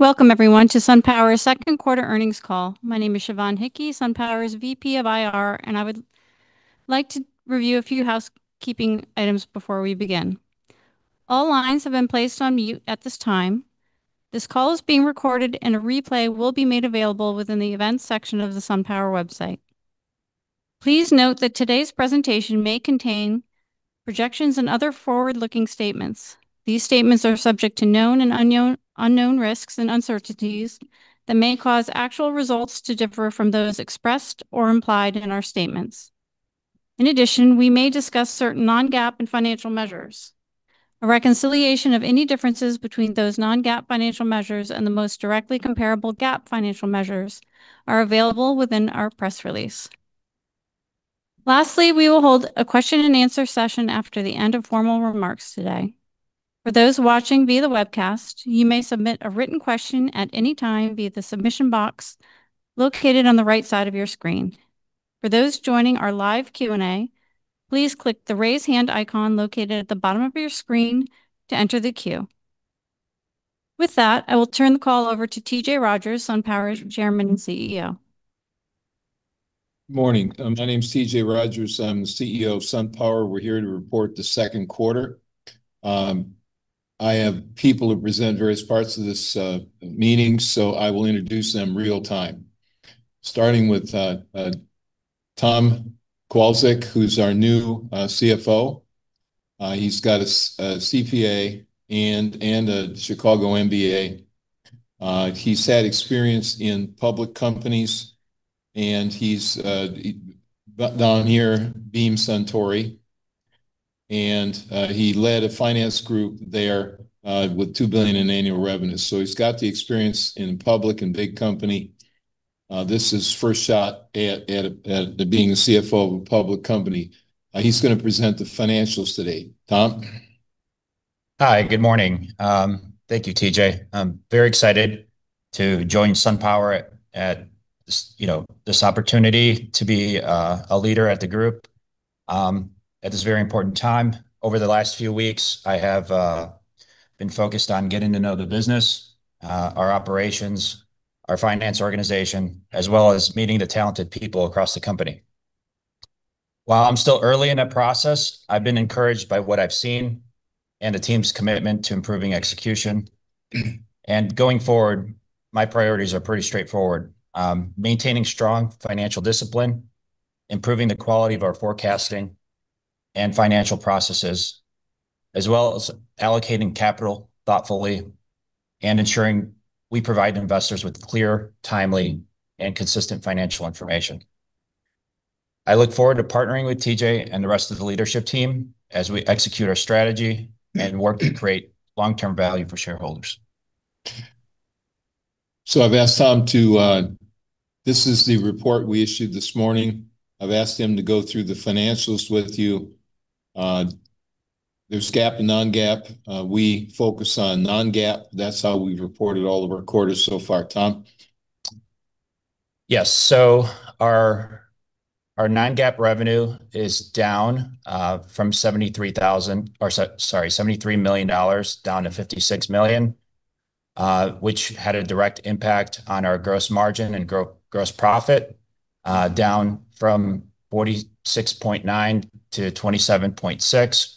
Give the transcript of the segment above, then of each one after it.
Hello. Welcome everyone to SunPower's second quarter earnings call. My name is Sioban Hickie, SunPower's VP of IR, and I would like to review a few housekeeping items before we begin. All lines have been placed on mute at this time. This call is being recorded and a replay will be made available within the events section of the SunPower website. Please note that today's presentation may contain projections and other forward-looking statements. These statements are subject to known and unknown risks and uncertainties that may cause actual results to differ from those expressed or implied in our statements. In addition, we may discuss certain non-GAAP financial measures. A reconciliation of any differences between those non-GAAP financial measures and the most directly comparable GAAP financial measures are available within our press release. Lastly, we will hold a question and answer session after the end of formal remarks today. For those watching via the webcast, you may submit a written question at any time via the submission box located on the right side of your screen. For those joining our live Q&A, please click the raise hand icon located at the bottom of your screen to enter the queue. With that, I will turn the call over to T.J. Rodgers, SunPower's Chairman and CEO. Morning. My name's T.J. Rodgers. I'm the CEO of SunPower. We're here to report the second quarter. I have people who present various parts of this meeting, so I will introduce them real-time. Starting with Tom Kowalczuk, who's our new CFO. He's got a CPA and a Chicago MBA. He's had experience in public companies and he's down here, Beam Suntory, and he led a finance group there with $2 billion in annual revenue. He's got the experience in public and big company. This is his first shot at being a CFO of a public company. He's going to present the financials today. Tom? Hi, good morning. Thank you, T.J. I'm very excited to join SunPower at this opportunity to be a leader at the group at this very important time. Over the last few weeks, I have been focused on getting to know the business, our operations, our finance organization, as well as meeting the talented people across the company. While I'm still early in that process, I've been encouraged by what I've seen and the team's commitment to improving execution. Going forward, my priorities are pretty straightforward. Maintaining strong financial discipline, improving the quality of our forecasting and financial processes, as well as allocating capital thoughtfully and ensuring we provide investors with clear, timely, and consistent financial information. I look forward to partnering with T.J. and the rest of the leadership team as we execute our strategy and work to create long-term value for shareholders. This is the report we issued this morning. I've asked Tom to go through the financials with you. There is GAAP and non-GAAP. We focus on non-GAAP. That is how we have reported all of our quarters so far. Tom? Yes. Our non-GAAP revenue is down from $73 million down to $56 million, which had a direct impact on our gross margin and gross profit, down from 46.9% to 27.6%.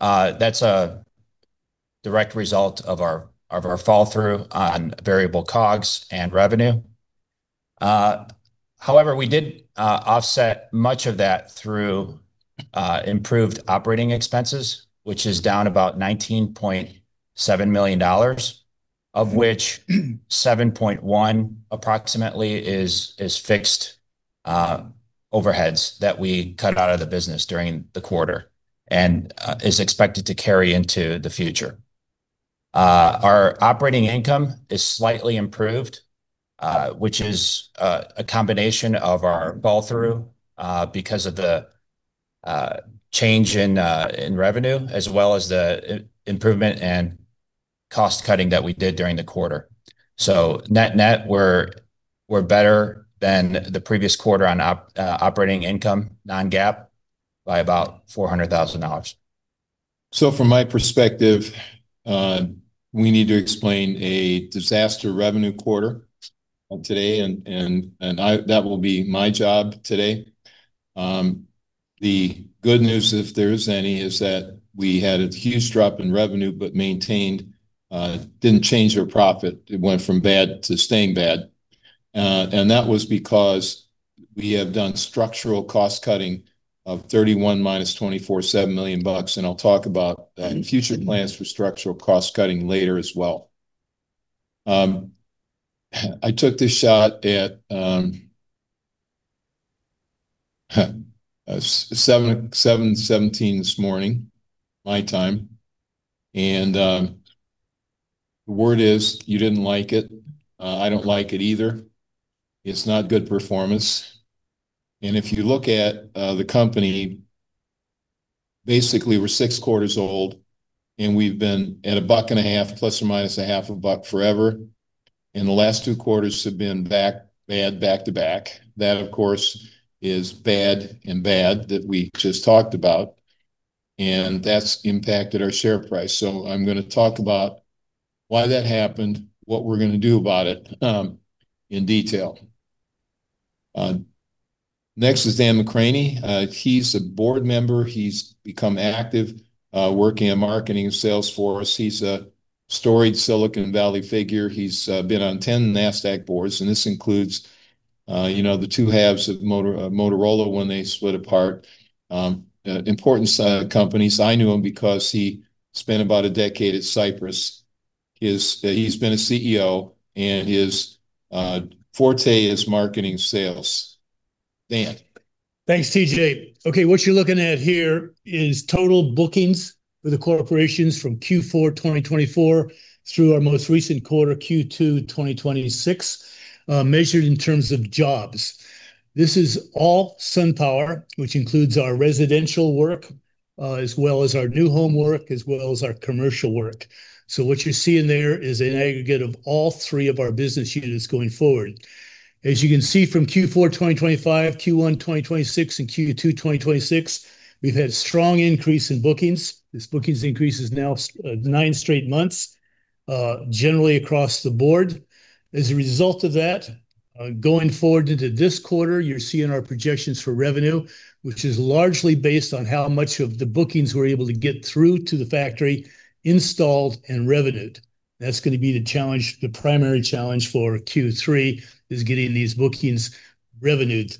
That is a direct result of our fall through on variable COGS and revenue. However, we did offset much of that through improved operating expenses, which is down about $19.7 million, of which 7.1 approximately is fixed overheads that we cut out of the business during the quarter and is expected to carry into the future. Our operating income is slightly improved, which is a combination of our fall through because of the change in revenue as well as the improvement and cost cutting that we did during the quarter. Net net we are better than the previous quarter on operating income non-GAAP by about $400,000. From my perspective, we need to explain a disaster revenue quarter today, and that will be my job today. The good news, if there is any, is that we had a huge drop in revenue but maintained, didn't change our profit. It went from bad to staying bad. That was because we have done structural cost cutting of 31-24, $7 million, and I will talk about future plans for structural cost cutting later as well. I took this shot at 7:17 A.M. this morning, my time, and the word is you didn't like it. I don't like it either. It is not good performance. If you look at the company, basically we are six quarters old and we have been at a buck and a half, plus or minus a half a buck forever. The last two quarters have been bad back to back. That, of course, is bad and bad that we just talked about. That has impacted our share price. I am going to talk about why that happened, what we are going to do about it, in detail. Next is Dan McCranie. He is a board member. He has become active working in marketing and sales for us. He is a storied Silicon Valley figure. He has been on 10 Nasdaq boards, and this includes the two halves of Motorola when they split apart. Important companies. I knew him because he spent about a decade at Cypress. He has been a CEO, and his forte is marketing sales. Dan. Thanks, T.J. What you're looking at here is total bookings for the corporations from Q4 2024 through our most recent quarter, Q2 2026, measured in terms of jobs. This is all SunPower, which includes our residential work, as well as our new home work, as well as our commercial work. What you're seeing there is an aggregate of all three of our business units going forward. As you can see from Q4 2025, Q1 2026, and Q2 2026, we've had strong increase in bookings. This bookings increase is now nine straight months, generally across the board. As a result of that, going forward into this quarter, you're seeing our projections for revenue, which is largely based on how much of the bookings we're able to get through to the factory, installed and revenued. That's going to be the primary challenge for Q3, is getting these bookings revenued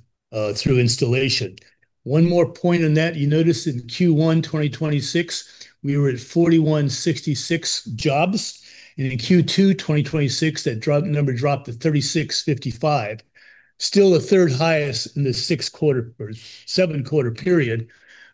through installation. One more point on that. You notice in Q1 2026, we were at 4,166 jobs. In Q2 2026, that number dropped to 3,655. Still the third highest in the six quarter or seven quarter period.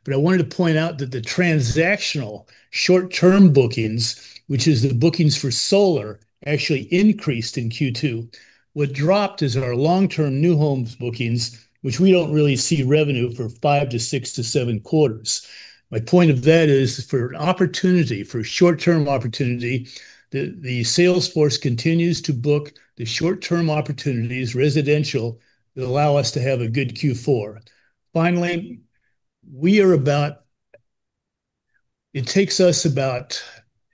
I wanted to point out that the transactional short-term bookings, which is the bookings for solar, actually increased in Q2. What dropped is our long-term new homes bookings, which we don't really see revenue for five to six to seven quarters. My point of that is for opportunity, for short-term opportunity, the sales force continues to book the short-term opportunities, residential, that allow us to have a good Q4. Finally, it takes us about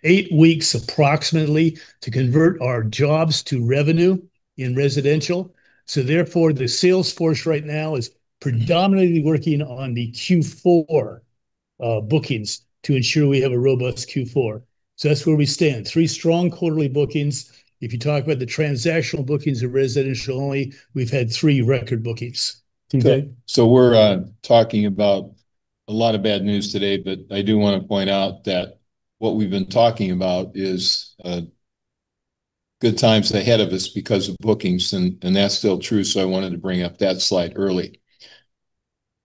eight weeks approximately to convert our jobs to revenue in residential, so therefore the sales force right now is predominantly working on the Q4 bookings to ensure we have a robust Q4. That's where we stand. Three strong quarterly bookings. If you talk about the transactional bookings of residential only, we've had three record bookings. T.J.? We're talking about a lot of bad news today, but I do want to point out that what we've been talking about is good times ahead of us because of bookings, and that's still true, so I wanted to bring up that slide early. Great.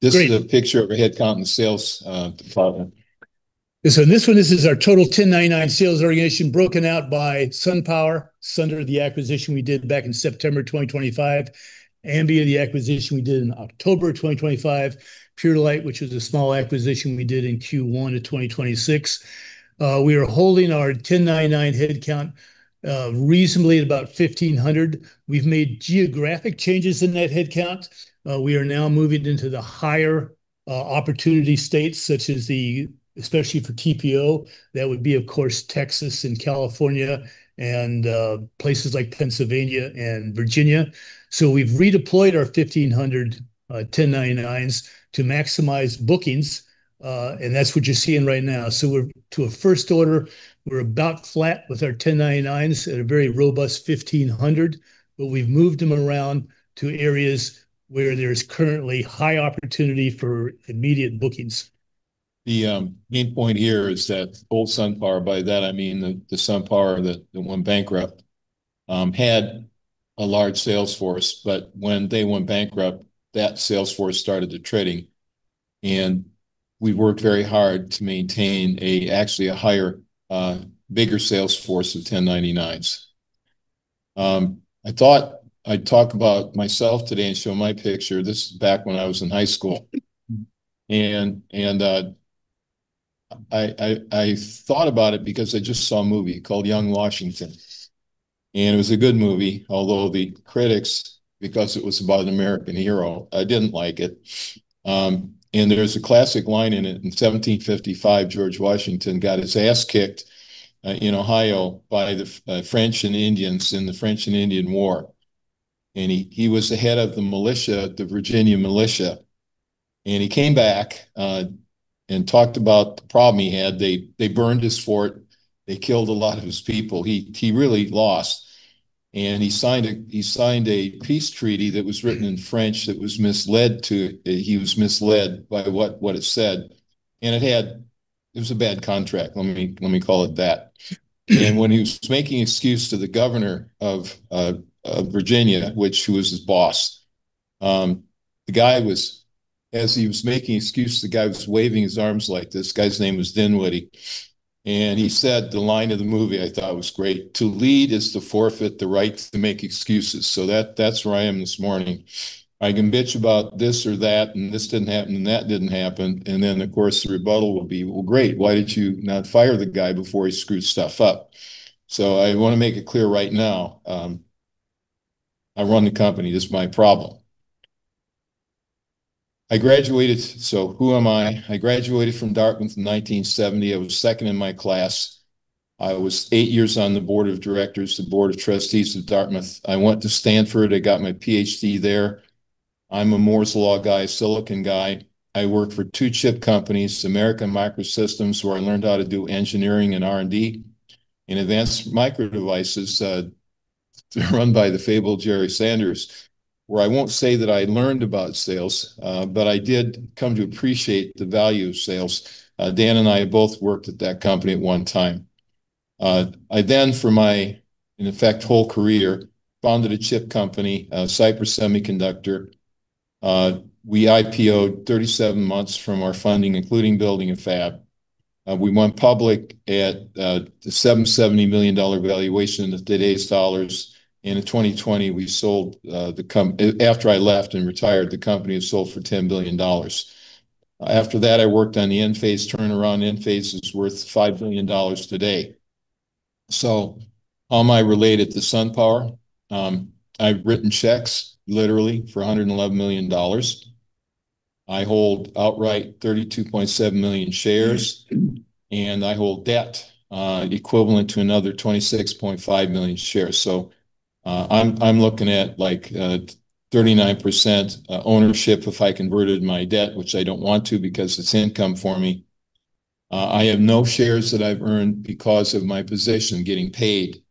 This is a picture of a headcount in the sales department. In this one, this is our total 1099 sales organization broken out by SunPower, Sunrun, the acquisition we did back in September 2025, Ambia, the acquisition we did in October 2025, PureLight, which was a small acquisition we did in Q1 of 2026. We are holding our 1099 headcount reasonably at about 1,500. We've made geographic changes in that headcount. We are now moving into the higher opportunity states, especially for TPO. That would be, of course, Texas and California and places like Pennsylvania and Virginia. We've redeployed our 1,500 1099s to maximize bookings. That's what you're seeing right now. To a first order, we're about flat with our 1099s at a very robust 1,500, but we've moved them around to areas where there's currently high opportunity for immediate bookings. The main point here is that old SunPower, by that I mean the SunPower that went bankrupt, had a large sales force. When they went bankrupt, that sales force started attriting, and we worked very hard to maintain actually a higher, bigger sales force of 1099s. I thought I'd talk about myself today and show my picture. This is back when I was in high school. I thought about it because I just saw a movie called "Young Washington," and it was a good movie, although the critics, because it was about an American hero, didn't like it. There's a classic line in it. In 1755, George Washington got his ass kicked in Ohio by the French and Indians in the French and Indian War, and he was the head of the militia, the Virginia militia. He came back, and talked about the problem he had. They burned his fort. They killed a lot of his people. He really lost. He signed a peace treaty that was written in French that he was misled by what it said. It was a bad contract, let me call it that. When he was making excuse to the governor of Virginia, who was his boss, as he was making excuses, the guy was waving his arms like this. Guy's name was Dinwiddie. He said the line of the movie I thought was great, "To lead is to forfeit the right to make excuses." That's where I am this morning. I can bitch about this or that, and this didn't happen, and that didn't happen. Of course, the rebuttal will be, "Well, great. Why did you not fire the guy before he screwed stuff up? I want to make it clear right now I run the company. This is my problem. Who am I? I graduated from Dartmouth in 1970. I was second in my class. I was eight years on the board of directors, the board of trustees of Dartmouth. I went to Stanford. I got my PhD there. I'm a Moore's Law guy, Silicon guy. I worked for two chip companies, American Microsystems, where I learned how to do engineering and R&D, and Advanced Micro Devices, run by the fabled Jerry Sanders, where I won't say that I learned about sales, but I did come to appreciate the value of sales. Dan and I both worked at that company at one time. For my, in effect, whole career, founded a chip company, Cypress Semiconductor. We IPO'd 37 months from our funding, including building a fab. We went public at the $770 million valuation in today's dollars. In 2020, after I left and retired, the company had sold for $10 billion. After that, I worked on the Enphase turnaround. Enphase is worth $5 billion today. How am I related to SunPower? I've written checks, literally, for $111 million. I hold outright 32.7 million shares, and I hold debt equivalent to another 26.5 million shares. I'm looking at 39% ownership if I converted my debt, which I don't want to because it's income for me. I have no shares that I've earned because of my position getting paid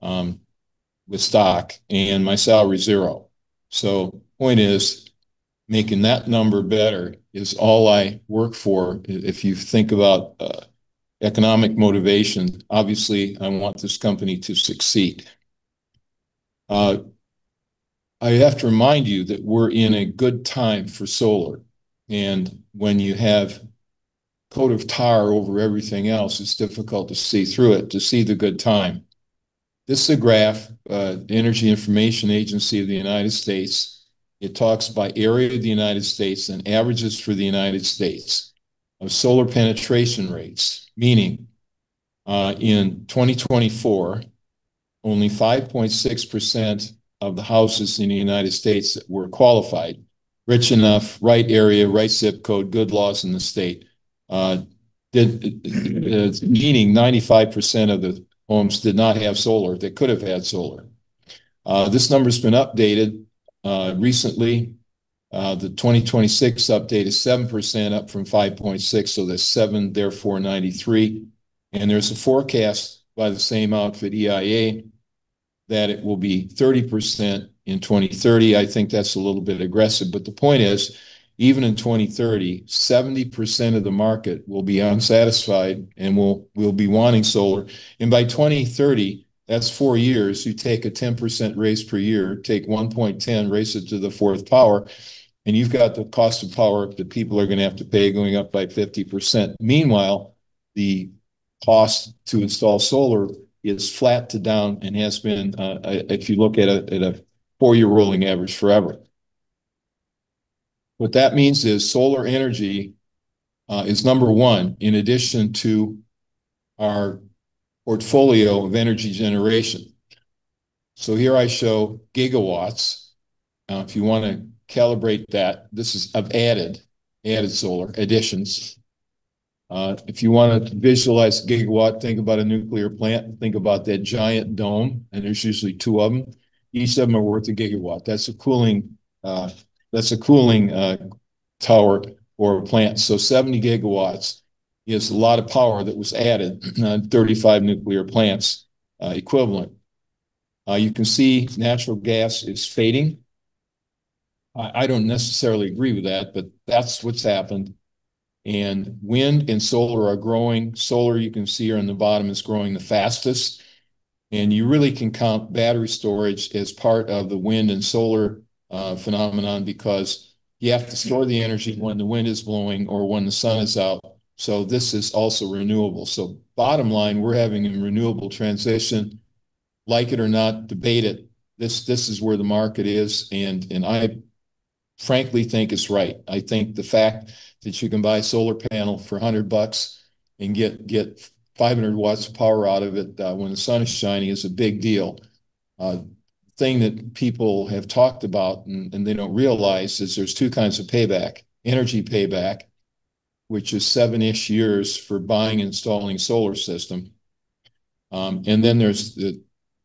with stock and my salary's zero. Point is, making that number better is all I work for. If you think about economic motivation, obviously, I want this company to succeed. I have to remind you that we're in a good time for solar, and when you have a coat of tar over everything else, it's difficult to see through it, to see the good time. This is a graph, the Energy Information Administration of the U.S. It talks by area of the U.S. and averages for the U.S. of solar penetration rates, meaning in 2024, only 5.6% of the houses in the U.S. that were qualified, rich enough, right area, right zip code, good laws in the state, meaning 95% of the homes did not have solar that could have had solar. This number's been updated recently. The 2026 update is 7%, up from 5.6%, so there's seven, therefore 93. There's a forecast by the same outfit, EIA, that it will be 30% in 2030. I think that's a little bit aggressive, the point is, even in 2030, 70% of the market will be unsatisfied and will be wanting solar. By 2030, that's four years. You take a 10% raise per year, take 1.10, raise it to the fourth power, and you've got the cost of power that people are going to have to pay going up by 50%. Meanwhile, the cost to install solar is flat to down and if you look at a four-year rolling average, forever. What that means is solar energy is number one, in addition to our portfolio of energy generation. Here I show gigawatts. Now, if you want to calibrate that, this is added solar additions. If you want to visualize a gigawatt, think about a nuclear plant, think about that giant dome, and there's usually two of them. Each of them are worth a gigawatt. That's a cooling tower or a plant. 70 GW is a lot of power that was added, 35 nuclear plants equivalent. You can see natural gas is fading. I don't necessarily agree with that, but that's what's happened, and wind and solar are growing. Solar, you can see here on the bottom, is growing the fastest, and you really can count battery storage as part of the wind and solar phenomenon because you have to store the energy when the wind is blowing or when the sun is out. This is also renewable. Bottom line, we're having a renewable transition. Like it or not, debate it, this is where the market is, and I frankly think it's right. I think the fact that you can buy a solar panel for $100 and get 500 W of power out of it when the sun is shining is a big deal. Thing that people have talked about and they don't realize is there's two kinds of payback, energy payback, which is seven-ish years for buying, installing solar system,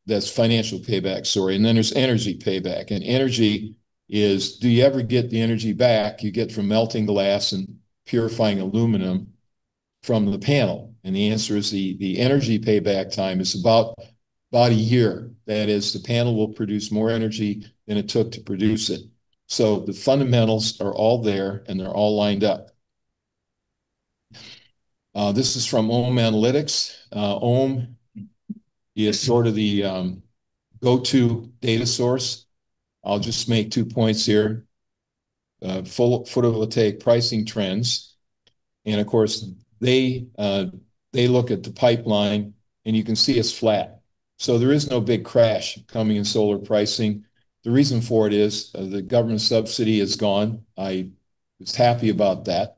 that's financial payback, sorry. And then there's energy payback, and energy is do you ever get the energy back you get from melting glass and purifying aluminum from the panel? And the answer is the energy payback time is about a year. That is, the panel will produce more energy than it took to produce it. The fundamentals are all there, and they're all lined up. This is from Ohm Analytics. Ohm is sort of the go-to data source. I'll just make two points here. Photovoltaic pricing trends, and of course, they look at the pipeline, and you can see it's flat. There is no big crash coming in solar pricing. The reason for it is the government subsidy is gone. I was happy about that.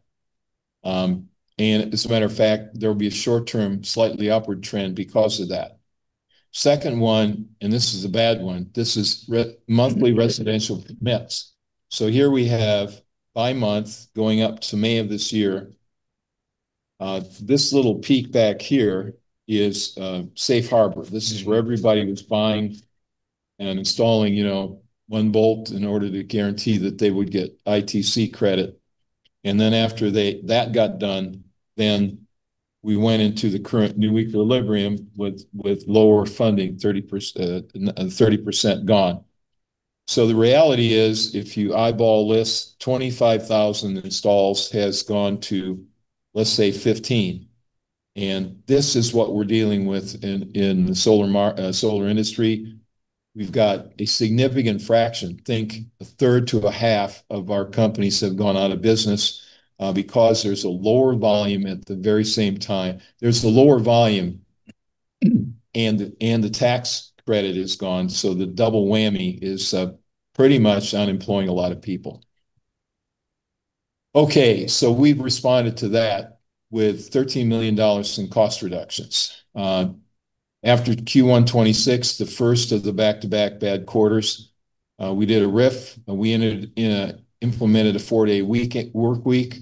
And as a matter of fact, there will be a short-term, slightly upward trend because of that. Second one, and this is a bad one, this is monthly residential commits. Here we have by month going up to May of this year. This little peak back here is Safe Harbor. This is where everybody was buying and installing one bolt in order to guarantee that they would get ITC credit. And then after that got done, then we went into the current new equilibrium with lower funding, 30% gone. The reality is, if you eyeball this, 25,000 installs has gone to, let's say, 15. And this is what we're dealing with in the solar industry. We've got a significant fraction, think a third to a half of our companies have gone out of business, because there's a lower volume at the very same time. There's the lower volume, and the tax credit is gone. The double whammy is pretty much unemploying a lot of people. We've responded to that with $13 million in cost reductions. After Q1 2026, the first of the back-to-back bad quarters, we did a RIF, and we implemented a four-day work week.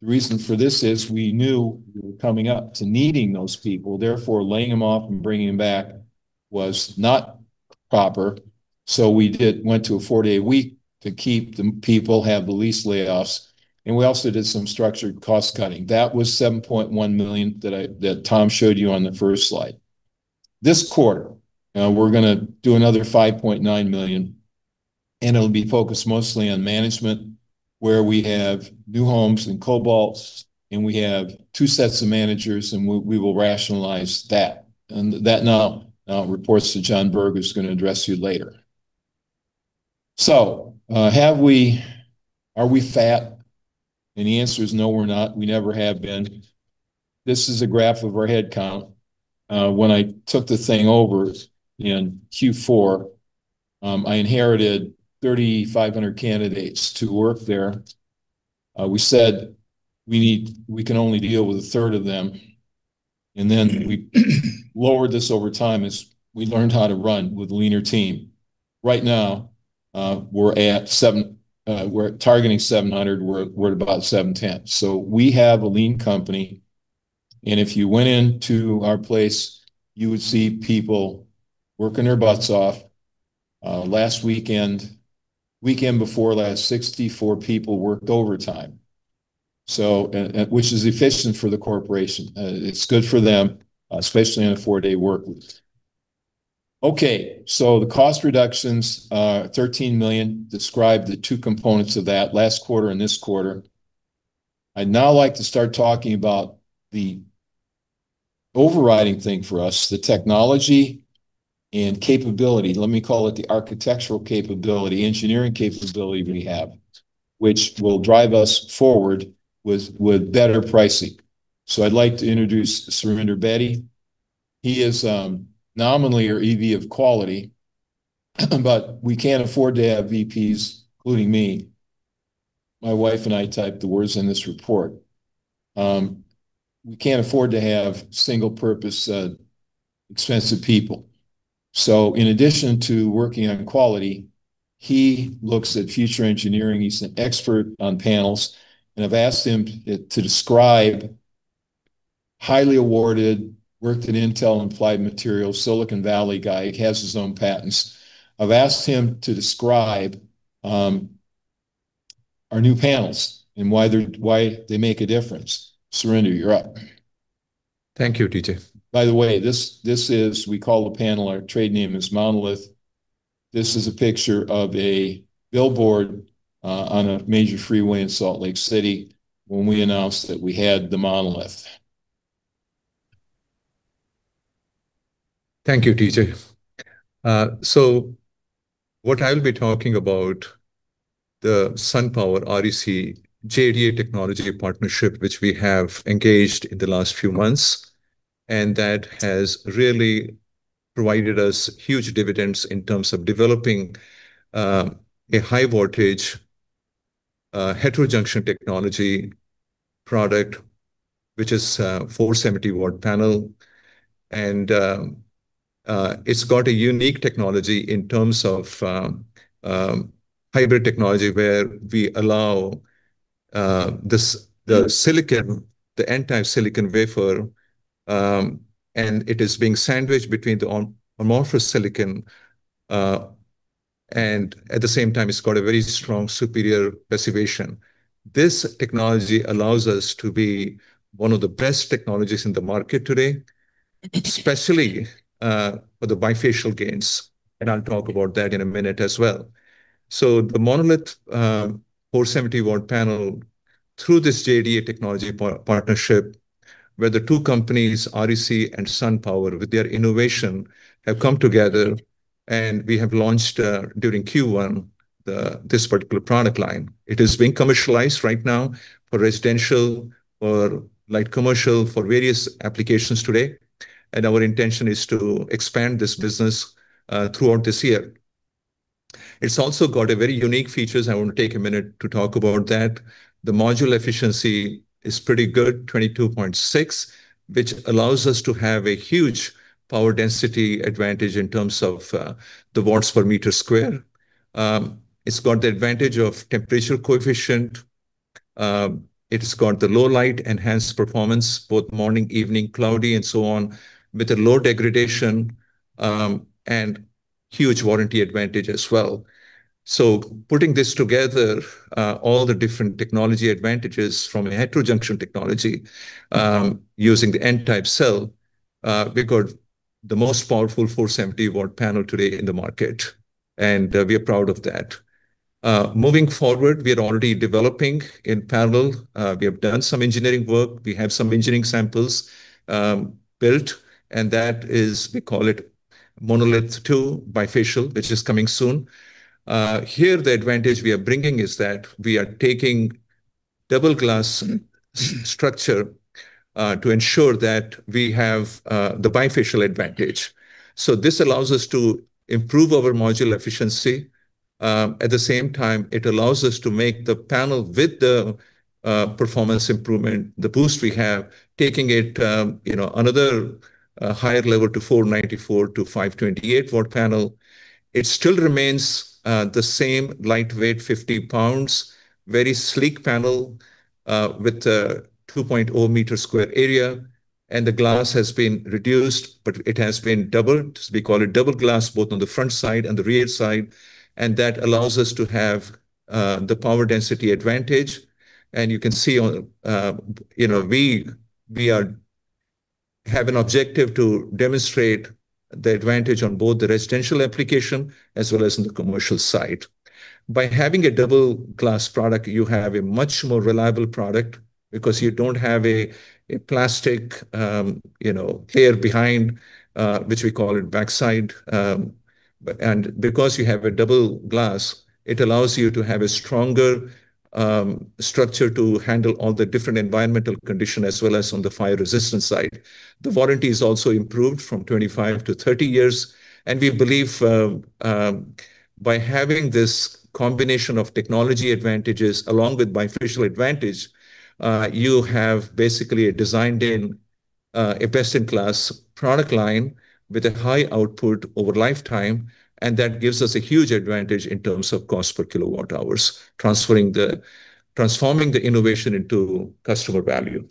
The reason for this is we knew we were coming up to needing those people, therefore laying them off and bringing them back was not proper. We went to a four-day week to keep the people, have the least layoffs, and we also did some structured cost cutting. That was $7.1 million that Tom showed you on the first slide. This quarter, we're going to do another $5.9 million, and it'll be focused mostly on management, where we have new homes and Cobalt, and we have two sets of managers, and we will rationalize that. That now reports to John Bergh, who's going to address you later. Are we fat? The answer is no, we're not. We never have been. This is a graph of our headcount. When I took the thing over in Q4, I inherited 3,500 candidates to work there. We said we can only deal with a third of them, and then we lowered this over time as we learned how to run with a leaner team. Right now, we're targeting 700. We're at about 710. We have a lean company, and if you went into our place, you would see people working their butts off. Last weekend before last, 64 people worked overtime, which is efficient for the corporation. It's good for them, especially on a four-day work week. The cost reductions, $13 million, describe the two components of that, last quarter and this quarter. I'd now like to start talking about the overriding thing for us, the technology and capability. Let me call it the architectural capability, engineering capability we have, which will drive us forward with better pricing. I'd like to introduce Surinder Bedi. He is nominally our EV of Quality, but we can't afford to have VPs, including me. My wife and I typed the words in this report. We can't afford to have single-purpose, expensive people. In addition to working on quality, he looks at future engineering. He's an expert on panels, and I've asked him to describe, highly awarded, worked at Intel and Applied Materials, Silicon Valley guy, he has his own patents. I've asked him to describe our new panels and why they make a difference. Surinder, you're up. Thank you, T.J. By the way, we call the panel, our trade name is Monolith. This is a picture of a billboard on a major freeway in Salt Lake City when we announced that we had the Monolith. Thank you, T.J. What I'll be talking about, the SunPower, REC, JDA Technology partnership, which we have engaged in the last few months, and that has really provided us huge dividends in terms of developing a high-voltage, heterojunction technology product, which is a 470-W panel. It's got a unique technology in terms of hybrid technology, where we allow the N-type silicon wafer, and it is being sandwiched between the amorphous silicon. At the same time, it's got a very strong superior passivation. This technology allows us to be one of the best technologies in the market today, especially for the bifacial gains, and I'll talk about that in a minute as well. The Monolith 470-W panel, through this JDA Technology partnership, where the two companies, REC and SunPower, with their innovation, have come together, and we have launched, during Q1, this particular product line. It is being commercialized right now for residential, for light commercial, for various applications today, and our intention is to expand this business throughout this year. It's also got very unique features. I want to take a minute to talk about that. The module efficiency is pretty good, 22.6, which allows us to have a huge power density advantage in terms of the watts per meter squared. It's got the advantage of temperature coefficient. It has got the low light enhanced performance, both morning, evening, cloudy, and so on, with a low degradation, and huge warranty advantage as well. Putting this together, all the different technology advantages from a heterojunction technology, using the N-type cell, we got the most powerful 470-W panel today in the market, and we are proud of that. Moving forward, we are already developing in parallel. We have done some engineering work. We have some engineering samples built, and that is, we call it Monolith II bifacial, which is coming soon. Here, the advantage we are bringing is that we are taking double-glass structure to ensure that we have the bifacial advantage. This allows us to improve our module efficiency. At the same time, it allows us to make the panel with the performance improvement, the boost we have, taking it another higher level to 494 to 528-W panel. It still remains the same lightweight 50 lb, very sleek panel, with a 2.0 m sq area, and the glass has been reduced, but it has been doubled. We call it double glass, both on the front side and the rear side, and that allows us to have the power density advantage. You can see, we have an objective to demonstrate the advantage on both the residential application as well as on the commercial side. By having a double-glass product, you have a much more reliable product because you don't have a plastic layer behind, which we call backside. Because you have a double glass, it allows you to have a stronger structure to handle all the different environmental condition as well as on the fire-resistant side. The warranty is also improved from 25years-30 years, and we believe by having this combination of technology advantages along with bifacial advantage, you have basically designed in a best-in-class product line with a high output over lifetime, and that gives us a huge advantage in terms of cost per kilowatt hours, transforming the innovation into customer value.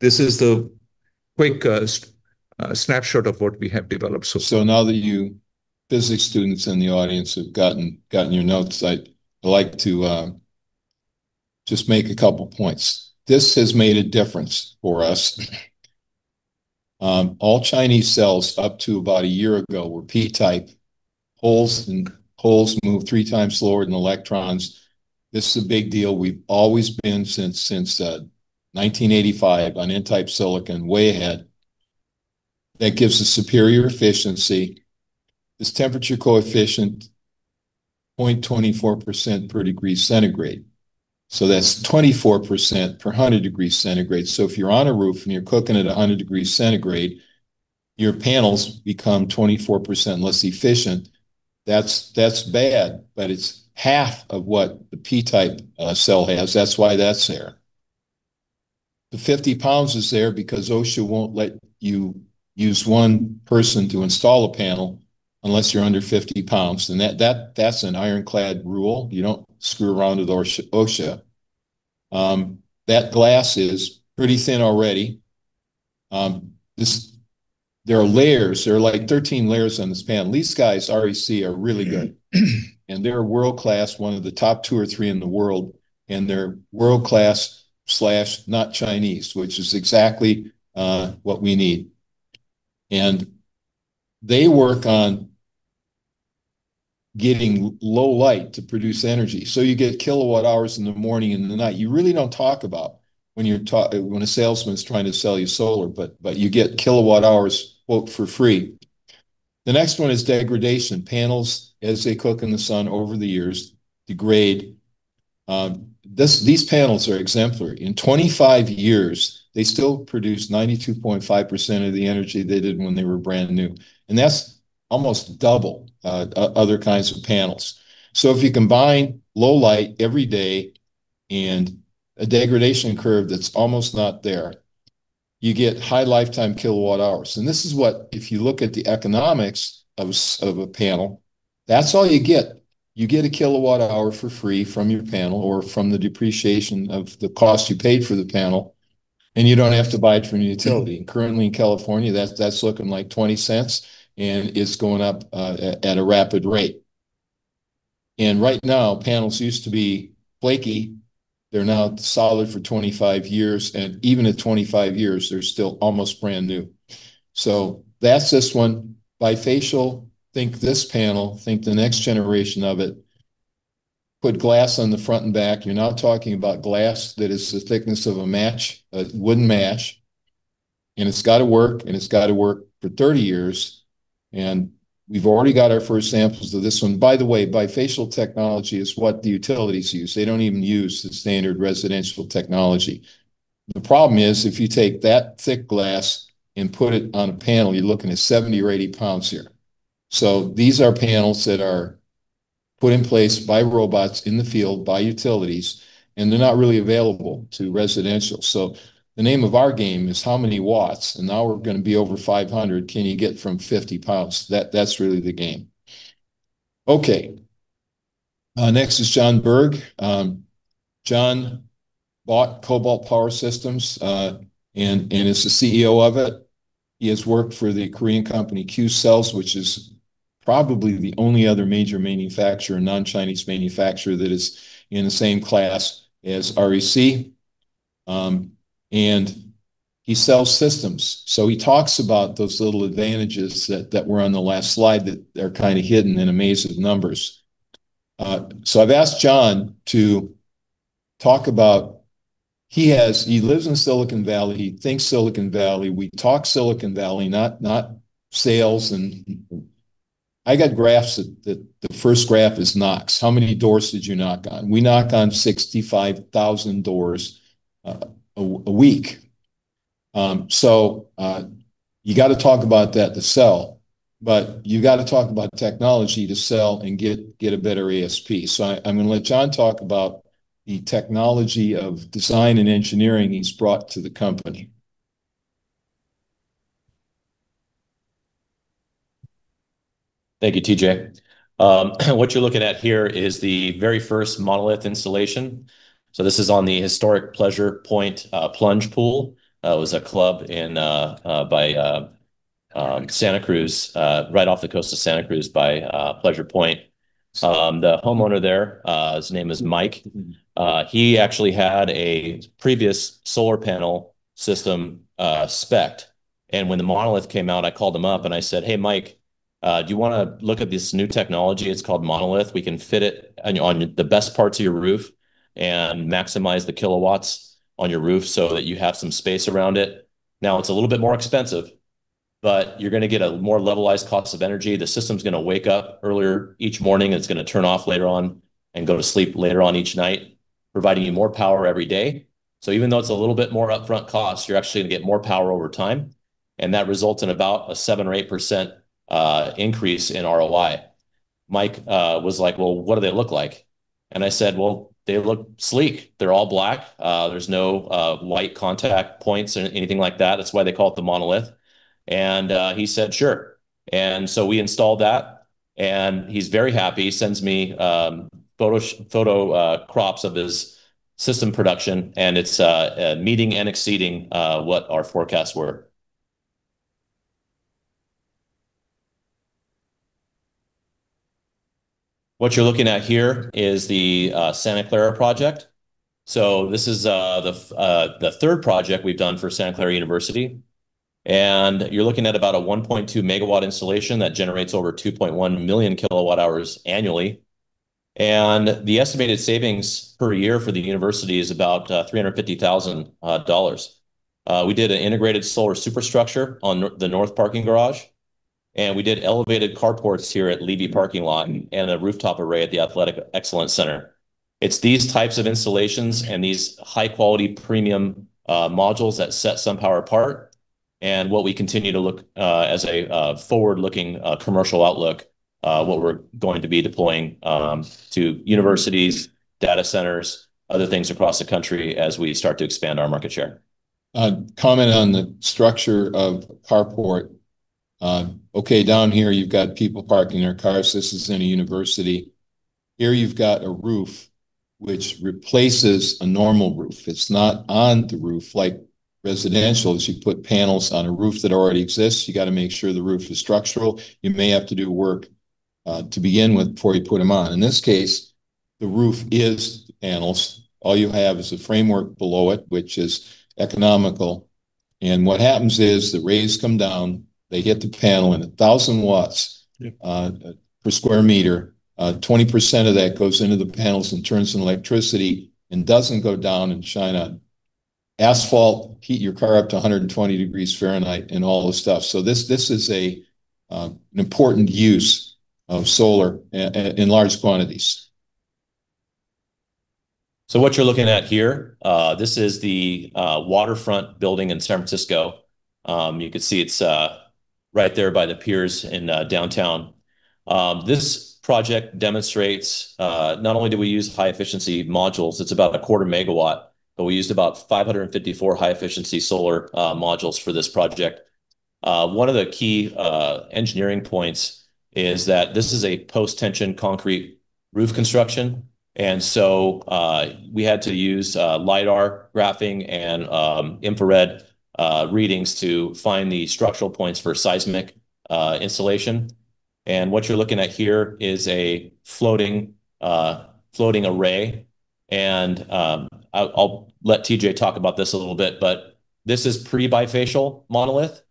This is the quick snapshot of what we have developed so far. Now that you physics students in the audience have gotten your notes, I'd like to just make a couple points. This has made a difference for us. All Chinese cells up to about a year ago were P-type. Holes move three times slower than electrons. This is a big deal. We've always been, since 1985, on N-type silicon, way ahead. That gives a superior efficiency. This temperature coefficient, 0.24% per degree Celsius. That's 24% per 100 degrees Celsius. If you're on a roof and you're cooking at 100 degrees Celsius, your panels become 24% less efficient. That's bad, but it's half of what the P-type cell has. That's why that's there. The 50 lb is there because OSHA won't let you use one person to install a panel unless you're under 50 lb, and that's an ironclad rule. You don't screw around with OSHA. That glass is pretty thin already. There are layers. There are 13 layers on this panel. These guys, REC, are really good, and they're world-class, one of the top two or three in the world, and they're world-class/not Chinese, which is exactly what we need. They work on getting low light to produce energy, so you get kilowatt hours in the morning and the night. You really don't talk about when a salesman's trying to sell you solar, but you get kilowatt hours "for free." The next one is degradation. Panels, as they cook in the sun over the years, degrade. These panels are exemplary. In 25 years, they still produce 92.5% of the energy they did when they were brand new, and that's almost double other kinds of panels. If you combine low light every day and a degradation curve that's almost not there, you get high lifetime kilowatt hours. This is what, if you look at the economics of a panel, that's all you get. You get a kilowatt hour for free from your panel or from the depreciation of the cost you paid for the panel, and you don't have to buy it from a utility. Currently in California, that's looking like $0.20, and it's going up at a rapid rate. Right now, panels used to be flaky. They're now solid for 25 years, and even at 25 years, they're still almost brand new. That's this one. Bifacial, think this panel, think the next generation of it. Put glass on the front and back. You're now talking about glass that is the thickness of a wooden match, and it's got to work, and it's got to work for 30 years, and we've already got our first samples of this one. Bifacial technology is what the utilities use. They don't even use the standard residential technology. The problem is if you take that thick glass and put it on a panel, you're looking at 70 or 80 pounds here. These are panels that are put in place by robots in the field, by utilities, and they're not really available to residential. The name of our game is how many watts, and now we're going to be over 500, can you get from 50 pounds? That's really the game. Okay. Next is John Bergh. John bought Cobalt Power Systems, and is the CEO of it. He has worked for the Korean company Q-cells, which is probably the only other major manufacturer, non-Chinese manufacturer, that is in the same class as REC. He sells systems, he talks about those little advantages that were on the last slide that are hidden in amazing numbers. I've asked John to talk about He lives in Silicon Valley, he thinks Silicon Valley, we talk Silicon Valley, not sales and I got graphs that the first graph is knocks. How many doors did you knock on? We knock on 65,000 doors a week. You got to talk about that to sell, you got to talk about technology to sell and get a better ASP. I'm going to let John talk about the technology of design and engineering he's brought to the company. Thank you, T.J. What you're looking at here is the very first Monolith installation. This is on the historic Pleasure Point Plunge Pool. It was a club by Santa Cruz, right off the coast of Santa Cruz by Pleasure Point. The homeowner there, his name is Mike. He actually had a previous solar panel system specced. When the Monolith came out, I called him up and I said, "Hey, Mike, do you want to look at this new technology? It's called Monolith. We can fit it on the best parts of your roof and maximize the kilowatts on your roof so that you have some space around it. It's a little bit more expensive, you're going to get a more levelized cost of energy. The system's going to wake up earlier each morning, it's going to turn off later on and go to sleep later on each night, providing you more power every day. Even though it's a little bit more upfront cost, you're actually going to get more power over time, and that results in about a 7% or 8% increase in ROI." Mike was like, "Well, what do they look like?" I said, "Well, they look sleek. They're all black. There's no white contact points or anything like that. That's why they call it the Monolith." He said, "Sure." We installed that, he's very happy. He sends me photo crops of his system production, it's meeting and exceeding what our forecasts were. What you're looking at here is the Santa Clara project. This is the third project we've done for Santa Clara University, and you're looking at about a 1.2 MW installation that generates over 2.1 million kW hours annually. The estimated savings per year for the university is about $350,000. We did an integrated solar superstructure on the north parking garage, and we did elevated carports here at Leavey parking lot and a rooftop array at the Athletic Excellence Center. It's these types of installations and these high-quality, premium modules that set SunPower apart and what we continue to look as a forward-looking commercial outlook, what we're going to be deploying to universities, data centers, other things across the country as we start to expand our market share. A comment on the structure of carport. Down here, you've got people parking their cars. This is in a university. Here you've got a roof which replaces a normal roof. It's not on the roof like residential, as you put panels on a roof that already exists, you got to make sure the roof is structural. You may have to do work to begin with before you put them on. In this case, the roof is the panels. All you have is the framework below it, which is economical. What happens is the rays come down, they hit the panel, and 1,000 W. Yep. Per square meter, 20% of that goes into the panels and turns into electricity and doesn't go down and shine on asphalt, heat your car up to 120 degrees Fahrenheit and all this stuff. This is an important use of solar in large quantities. What you're looking at here, this is the Waterfront Plaza in San Francisco. You could see it's right there by the piers in downtown. This project demonstrates not only do we use high-efficiency modules, it's about 1/4 MW, but we used about 554 high-efficiency solar modules for this project. One of the key engineering points is that this is a post-tension concrete roof construction. We had to use LiDAR graphing and infrared readings to find the structural points for seismic installation. What you're looking at here is a floating array, and I'll let T.J. talk about this a little bit, but this is pre-bifacial Monolith.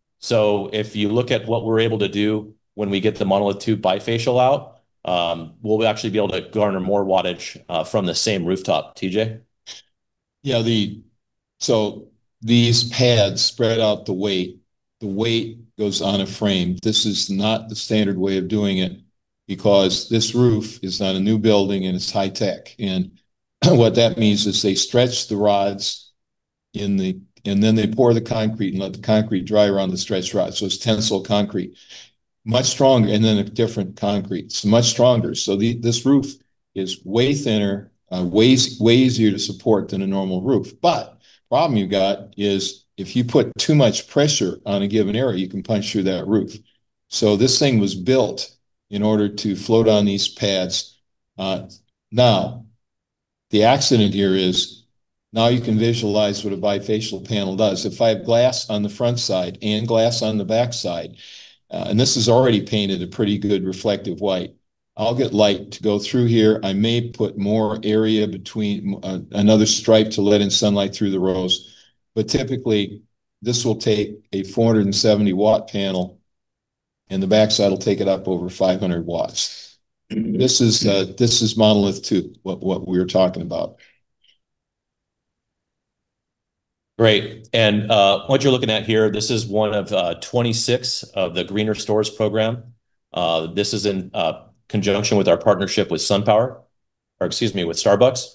If you look at what we're able to do when we get the Monolith II bifacial out, we'll actually be able to garner more wattage from the same rooftop. T.J.? Yeah. These pads spread out the weight. The weight goes on a frame. This is not the standard way of doing it. This roof is on a new building, and it's high tech. What that means is they stretch the rods, then they pour the concrete and let the concrete dry around the stretched rods. It's tensile concrete, much stronger, then a different concrete. Much stronger. This roof is way thinner, way easier to support than a normal roof. The problem you've got is if you put too much pressure on a given area, you can punch through that roof. This thing was built in order to float on these pads. The accident here is now you can visualize what a bifacial panel does. If I have glass on the front side and glass on the back side, and this is already painted a pretty good reflective white, I'll get light to go through here. I may put more area between another stripe to let in sunlight through the rows. Typically, this will take a 470-W panel, and the backside will take it up over 500 W. This is Monolith II, what we were talking about. Great. What you're looking at here, this is one of 26 of the Greener Stores program. This is in conjunction with our partnership with SunPower, or excuse me, with Starbucks.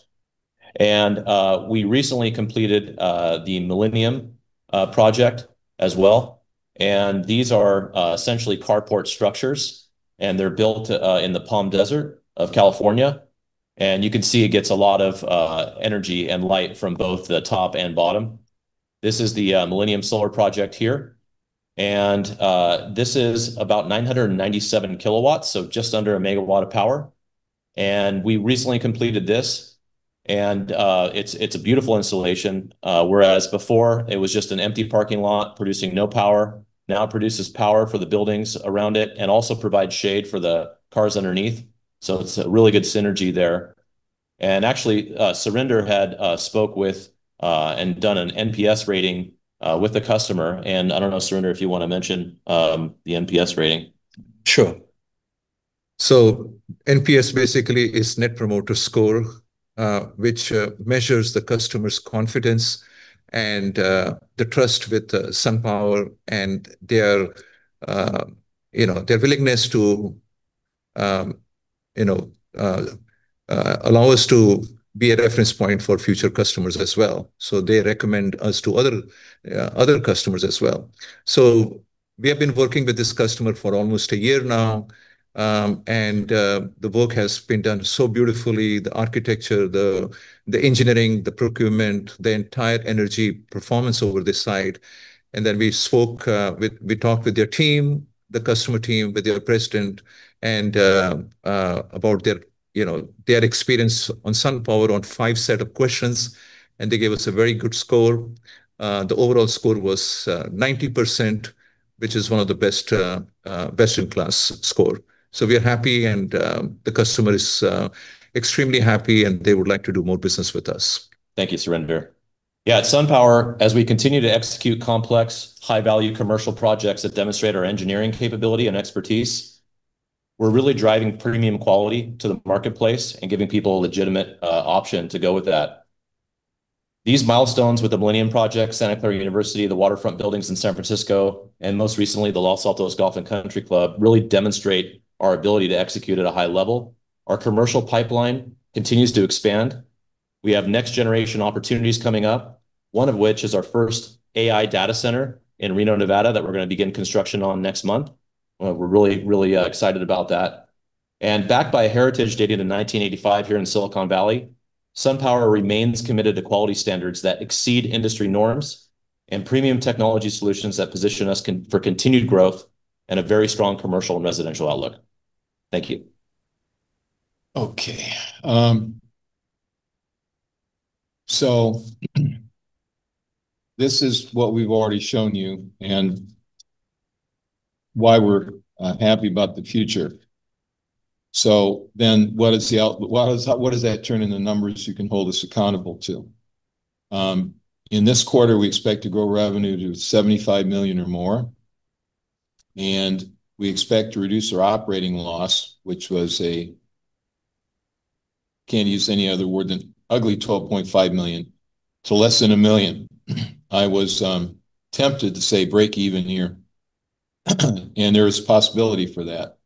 We recently completed the Millennium project as well. These are essentially carport structures, and they're built in the Palm Desert of California. You can see it gets a lot of energy and light from both the top and bottom. This is the Millennium solar project here, and this is about 997 kW, just under a megawatt of power. We recently completed this, and it's a beautiful installation. Whereas before it was just an empty parking lot producing no power, now it produces power for the buildings around it and also provides shade for the cars underneath. It's a really good synergy there. Actually, Surinder had spoke with and done an NPS rating with the customer. I don't know, Surinder, if you want to mention the NPS rating. NPS basically is net promoter score, which measures the customer's confidence and the trust with SunPower and their willingness to allow us to be a reference point for future customers as well. They recommend us to other customers as well. We have been working with this customer for almost one year now, the work has been done so beautifully, the architecture, the engineering, the procurement, the entire energy performance over this site. We talked with their team, the customer team, with their president, about their experience on SunPower on five set of questions, they gave us a very good score. The overall score was 90%, which is one of the best in class score. We are happy, the customer is extremely happy, they would like to do more business with us. Thank you, Surinder. At SunPower, as we continue to execute complex, high-value commercial projects that demonstrate our engineering capability and expertise, we're really driving premium quality to the marketplace and giving people a legitimate option to go with that. These milestones with the Millennium Project, Santa Clara University, the waterfront buildings in San Francisco, and most recently, the Los Altos Golf and Country Club, really demonstrate our ability to execute at a high level. Our commercial pipeline continues to expand. We have next-generation opportunities coming up, one of which is our first AI data center in Reno, Nevada, that we're going to begin construction on next month. We're really excited about that. Backed by a heritage dating to 1985 here in Silicon Valley, SunPower remains committed to quality standards that exceed industry norms and premium technology solutions that position us for continued growth and a very strong commercial and residential outlook. Thank you. This is what we've already shown you and why we're happy about the future. What does that turn into numbers you can hold us accountable to? In this quarter, we expect to grow revenue to $75 million or more, we expect to reduce our operating loss, which was a, can't use any other word than ugly $12.5 million to less than $1 million. I was tempted to say breakeven here, there is possibility for that.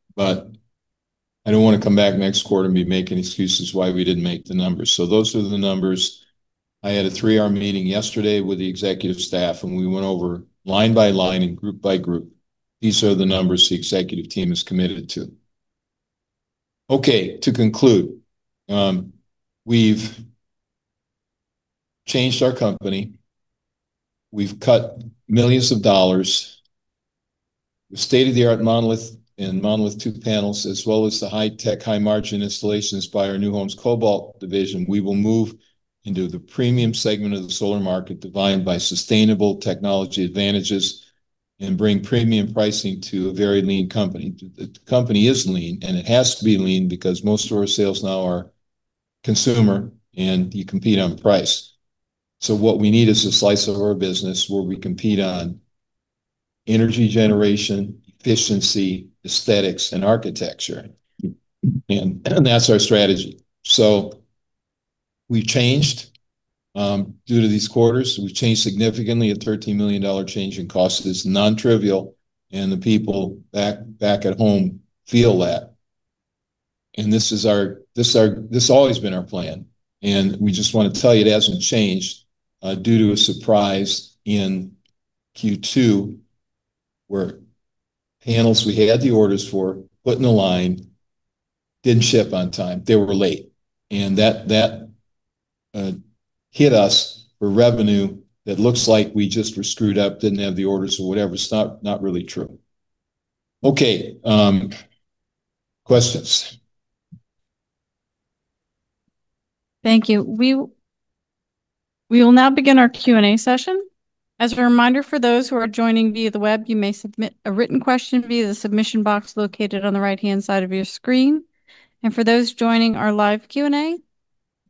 I don't want to come back next quarter and be making excuses why we didn't make the numbers. Those are the numbers. I had a three-hour meeting yesterday with the executive staff, we went over line by line and group-by-group. These are the numbers the executive team is committed to. To conclude, we've changed our company. We've cut millions of dollars. The state-of-the-art Monolith and Monolith II panels, as well as the high-tech, high-margin installations by our new homes Cobalt division, we will move into the premium segment of the solar market defined by sustainable technology advantages and bring premium pricing to a very lean company. The company is lean, and it has to be lean because most of our sales now are consumer, and you compete on price. What we need is a slice of our business where we compete on energy generation, efficiency, aesthetics, and architecture. That's our strategy. We've changed due to these quarters. We've changed significantly. A $13 million change in cost is non-trivial, and the people back at home feel that. This always been our plan, we just want to tell you it hasn't changed due to a surprise in Q2, where panels we had the orders for putting a line didn't ship on time. They were late, that hit us for revenue that looks like we just were screwed up, didn't have the orders or whatever. It's not really true. Okay. Questions. Thank you. We will now begin our Q&A session. As a reminder, for those who are joining via the web, you may submit a written question via the submission box located on the right-hand side of your screen. For those joining our live Q&A,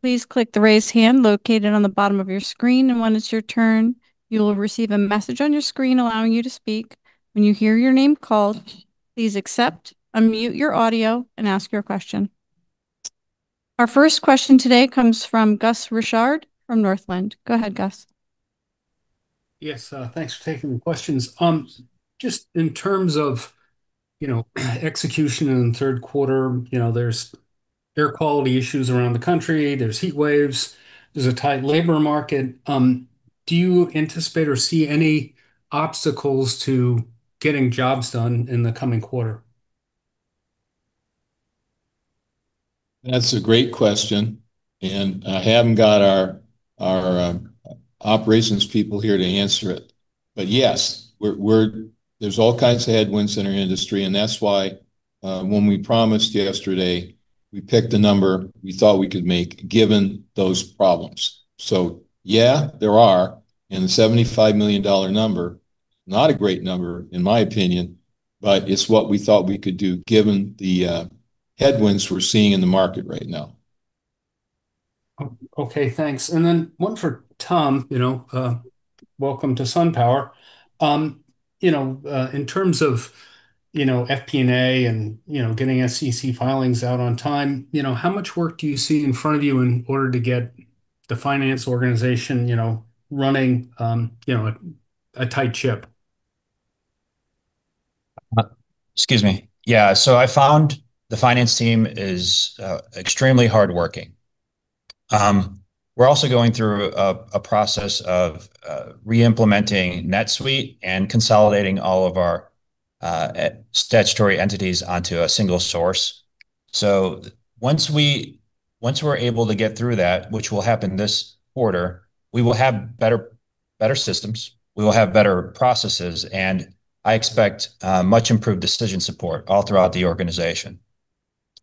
please click the raise hand located on the bottom of your screen, when it's your turn, you'll receive a message on your screen allowing you to speak. When you hear your name called, please accept, unmute your audio and ask your question. Our first question today comes from Gus Richard from Northland. Go ahead, Gus. Yes. Thanks for taking the questions. Just in terms of execution in the third quarter, there's air quality issues around the country, there's heat waves, there's a tight labor market. Do you anticipate or see any obstacles to getting jobs done in the coming quarter? That's a great question, I haven't got our operations people here to answer it. Yes, there's all kinds of headwinds in our industry, That's why when we promised yesterday, we picked a number we thought we could make given those problems. Yeah, there are, and the $75 million number, not a great number in my opinion, but it's what we thought we could do given the headwinds we're seeing in the market right now. Okay, thanks. Then one for Tom. Welcome to SunPower. In terms of FP&A and getting SEC filings out on time, how much work do you see in front of you in order to get the finance organization running a tight ship? Excuse me. Yeah. I found the finance team is extremely hardworking. We're also going through a process of re-implementing NetSuite and consolidating all of our statutory entities onto a single source. Once we're able to get through that, which will happen this quarter, we will have better systems, we will have better processes, I expect much improved decision support all throughout the organization.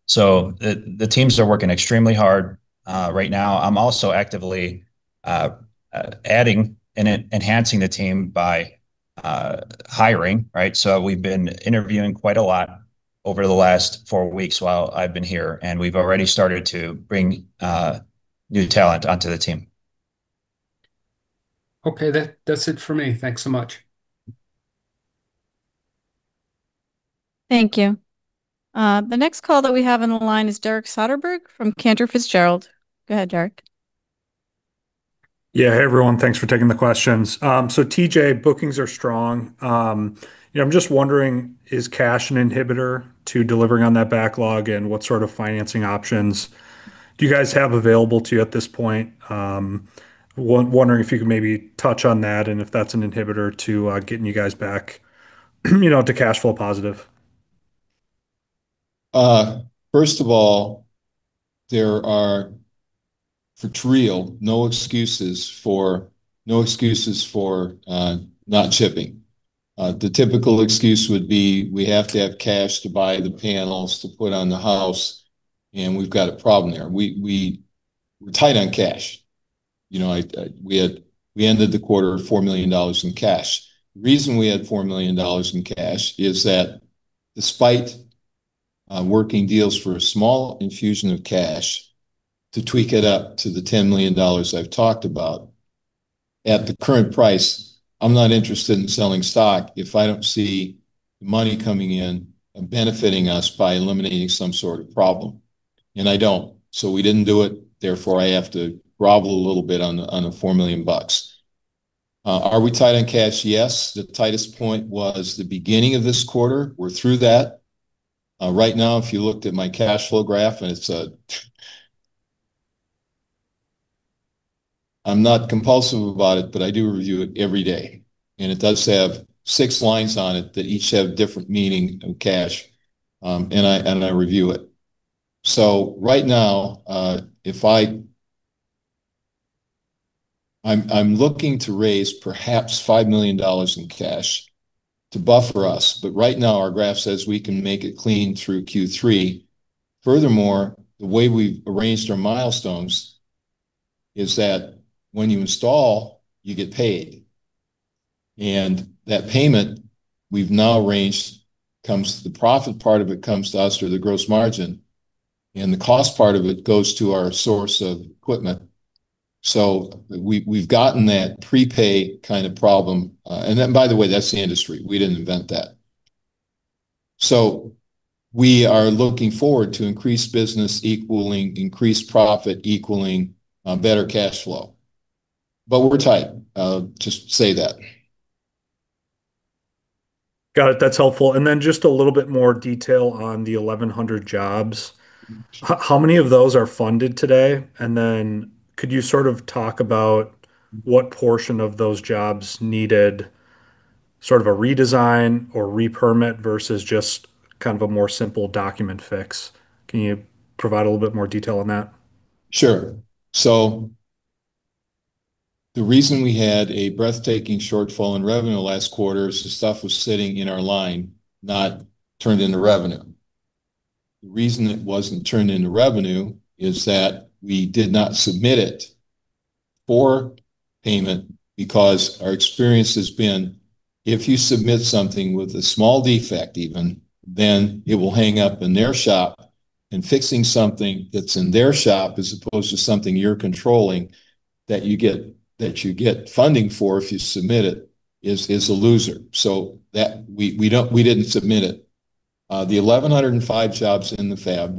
The teams are working extremely hard right now. I'm also actively adding and enhancing the team by hiring. We've been interviewing quite a lot over the last four weeks while I've been here, and we've already started to bring new talent onto the team. Okay. That's it for me. Thanks so much. Thank you. The next call that we have on the line is Derek Soderberg from Cantor Fitzgerald. Go ahead, Derek. Yeah. Hey, everyone. Thanks for taking the questions. T.J., bookings are strong. I'm just wondering, is cash an inhibitor to delivering on that backlog? What sort of financing options do you guys have available to you at this point? Wondering if you could maybe touch on that and if that's an inhibitor to getting you guys back to cash flow positive. First of all, there are, for real, no excuses for not shipping. The typical excuse would be we have to have cash to buy the panels to put on the house, and we've got a problem there. We're tight on cash. We ended the quarter at $4 million in cash. The reason we had $4 million in cash is that despite working deals for a small infusion of cash to tweak it up to the $10 million I've talked about, at the current price, I'm not interested in selling stock if I don't see money coming in and benefiting us by eliminating some sort of problem, and I don't. We didn't do it, therefore, I have to grovel a little bit on the $4 million. Are we tight on cash? Yes. The tightest point was the beginning of this quarter. We're through that. Right now, if you looked at my cash flow graph, and I'm not compulsive about it, but I do review it every day, and it does have six lines on it that each have different meaning of cash, and I review it. Right now, I'm looking to raise perhaps $5 million in cash to buffer us, right now our graph says we can make it clean through Q3. Furthermore, the way we've arranged our milestones is that when you install, you get paid. That payment, we've now arranged, the profit part of it comes to us, or the gross margin, and the cost part of it goes to our source of equipment. We've gotten that prepay kind of problem. By the way, that's the industry. We didn't invent that. We are looking forward to increased business equaling increased profit equaling better cash flow. We're tight, just say that. Got it. That's helpful. Just a little bit more detail on the 1,100 jobs. How many of those are funded today? Could you talk about what portion of those jobs needed a redesign or re-permit versus just a more simple document fix? Can you provide a little bit more detail on that? Sure. The reason we had a breathtaking shortfall in revenue last quarter is the stuff was sitting in our line, not turned into revenue. The reason it wasn't turned into revenue is that we did not submit it for payment because our experience has been if you submit something with a small defect even, it will hang up in their shop, and fixing something that's in their shop as opposed to something you're controlling that you get funding for if you submit it is a loser. We didn't submit it. The 1,105 jobs in the fab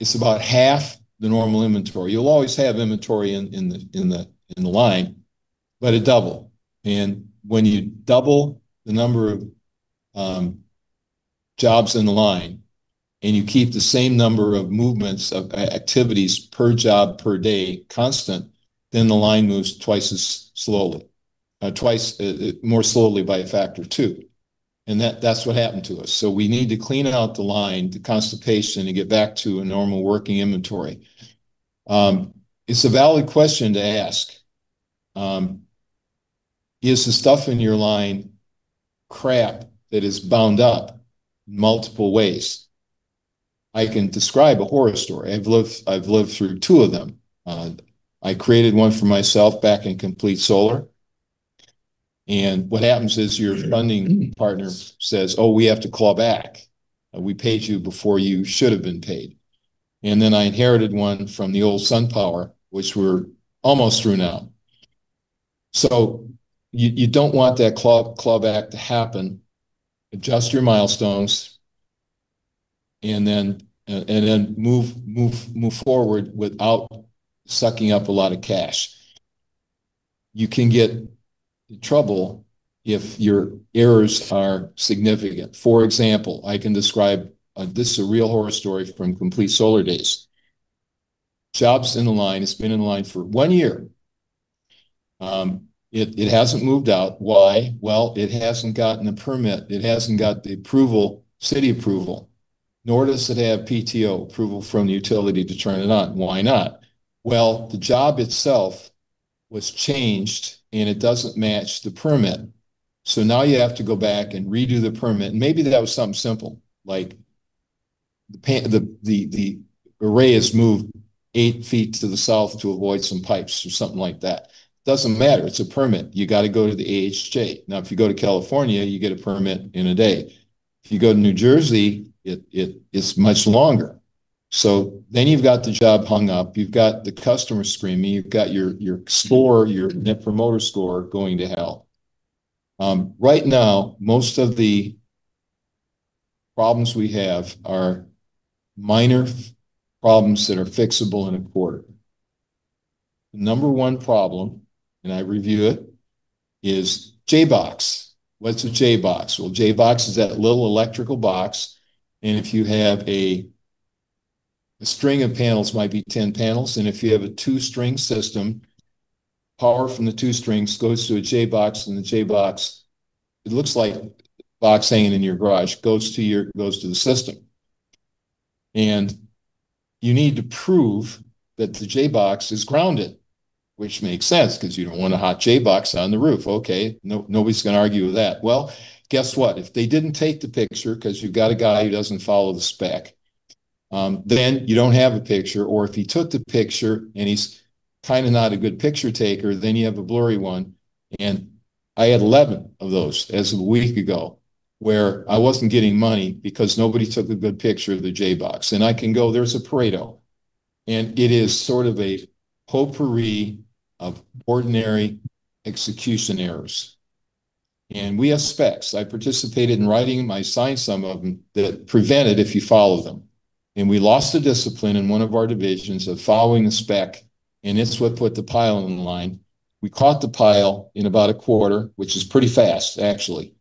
we have, it's about half the normal inventory. You'll always have inventory in the line, but a double. When you double the number of jobs in the line and you keep the same number of movements of activities per job per day constant, the line moves twice as slowly, twice more slowly by a factor of two. That's what happened to us. We need to clean out the line, the constipation, to get back to a normal working inventory. It's a valid question to ask. Is the stuff in your line crap that is bound up multiple ways? I can describe a horror story. I've lived through two of them. I created one for myself back in Complete Solaria, what happens is your funding partner says, "Oh, we have to claw back. We paid you before you should have been paid." I inherited one from the old SunPower, which we're almost through now. You don't want that clawback to happen. Adjust your milestones. Then move forward without sucking up a lot of cash. You can get in trouble if your errors are significant. For example, I can describe, this is a real horror story from Complete Solaria days. Job's in the line, it's been in the line for one year. It hasn't moved out. Why? Well, it hasn't gotten a permit, it hasn't got the approval, city approval, nor does it have PTO approval from the utility to turn it on. Why not? Well, the job itself was changed and it doesn't match the permit. Now you have to go back and redo the permit. Maybe that was something simple like the array has moved 8 ft to the south to avoid some pipes or something like that. Doesn't matter. It's a permit. You got to go to the AHJ. If you go to California, you get a permit in a day. If you go to New Jersey, it's much longer. You've got the job hung up, you've got the customer screaming, you've got your store, your net promoter store going to hell. Right now, most of the problems we have are minor problems that are fixable in a quarter. The number one problem, and I review it, is J-box. What's a J-box? Well, J-box is that little electrical box and if you have a string of panels, might be 10 panels, and if you have a two-string system, power from the two strings goes to a J-box and the J-box, it looks like box hanging in your garage, goes to the system. You need to prove that the J-box is grounded, which makes sense because you don't want a hot J-box on the roof. Nobody's going to argue with that. Guess what? If they didn't take the picture because you've got a guy who doesn't follow the spec, then you don't have a picture. If he took the picture and he's kind of not a good picture taker, then you have a blurry one. I had 11 of those as of a week ago where I wasn't getting money because nobody took a good picture of the J-box. I can go, there's a Pareto, it is sort of a potpourri of ordinary execution errors. We have specs. I participated in writing them. I signed some of them that prevent it if you follow them. We lost the discipline in one of our divisions of following the spec, and it's what put the pile in the line. We caught the pile in about a quarter, which is pretty fast actually.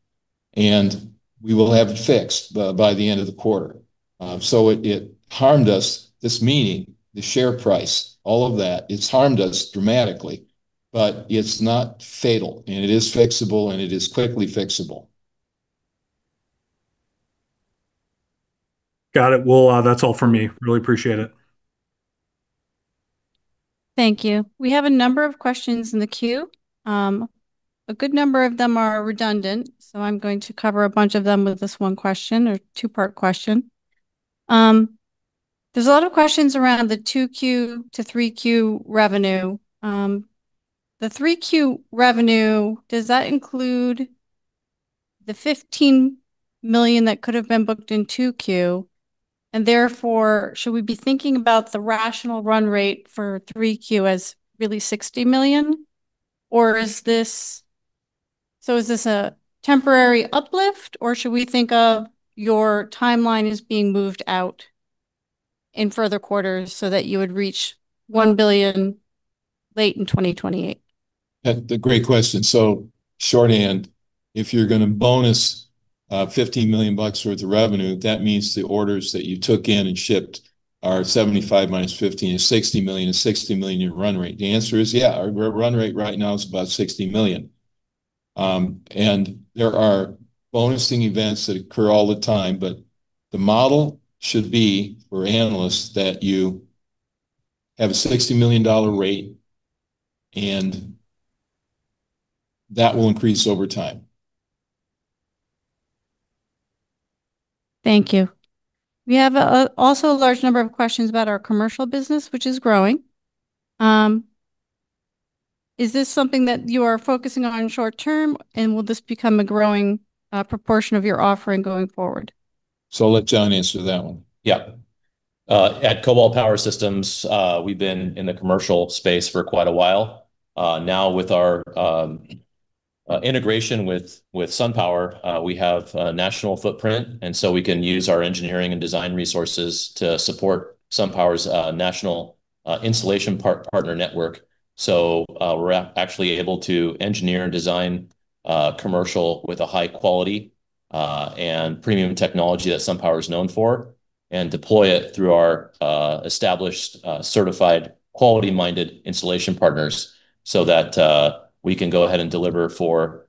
We will have it fixed by the end of the quarter. It harmed us, this meeting, the share price, all of that, it's harmed us dramatically. It's not fatal and it is fixable, and it is quickly fixable. Got it. That's all for me. Really appreciate it. Thank you. We have a number of questions in the queue. A good number of them are redundant, I'm going to cover a bunch of them with this one question or two-part question. There's a lot of questions around the Q2 to Q3 revenue. The Q3 revenue, does that include the $15 million that could have been booked in Q2? Therefore, should we be thinking about the rational run rate for Q3 as really $60 million? Or is this a temporary uplift, or should we think of your timeline as being moved out in further quarters so that you would reach $1 billion late in 2028? Great question. Shorthand, if you're going to bonus $15 million worth of revenue, that means the orders that you took in and shipped are 75 minus 15 is $60 million, and $60 million your run rate. The answer is yeah, our run rate right now is about $60 million. There are bonusing events that occur all the time, but the model should be for analysts that you have a $60 million rate and that will increase over time. Thank you. We have also a large number of questions about our commercial business, which is growing. Is this something that you are focusing on short term, and will this become a growing proportion of your offering going forward? I'll let John answer that one. Yeah. At Cobalt Power Systems, we've been in the commercial space for quite a while. Now with our integration with SunPower, we have a national footprint and we can use our engineering and design resources to support SunPower's national installation partner network. We're actually able to engineer and design commercial with a high quality, and premium technology that SunPower's known for, and deploy it through our established, certified, quality-minded installation partners that we can go ahead and deliver for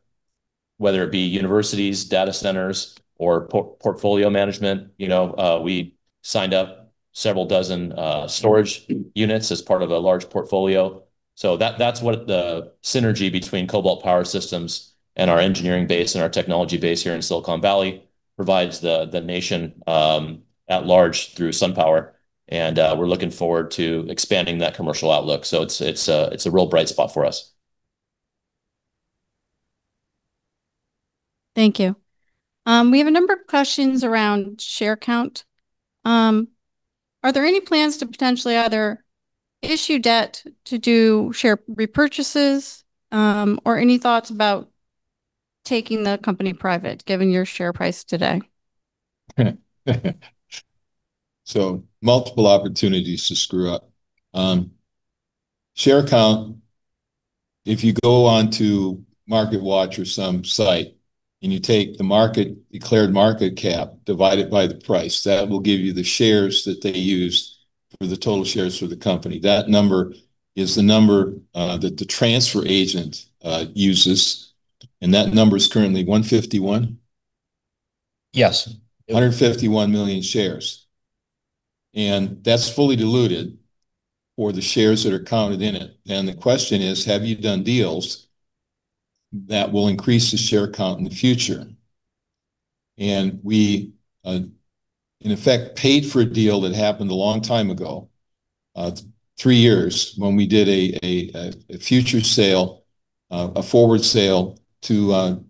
whether it be universities, data centers, or portfolio management. We signed up several dozen storage units as part of a large portfolio. That's what the synergy between Cobalt Power Systems and our engineering base and our technology base here in Silicon Valley provides the nation at large through SunPower and we're looking forward to expanding that commercial outlook. It's a real bright spot for us. Thank you. We have a number of questions around share count. Are there any plans to potentially either issue debt to do share repurchases, or any thoughts about taking the company private given your share price today? Multiple opportunities to screw up. Share count, if you go onto MarketWatch or some site and you take the declared market cap, divide it by the price, that will give you the shares that they used for the total shares for the company. That number is the number that the transfer agent uses, and that number is currently 151? Yes. 151 million shares, That's fully diluted for the shares that are counted in it. The question is, have you done deals that will increase the share count in the future? We, in effect, paid for a deal that happened a long time ago, three years, when we did a future sale, a forward sale to a